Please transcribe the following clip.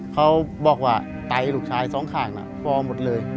เขาบอกว่าไตลูกชายสองข้างน่ะฟอร์มหมดเลย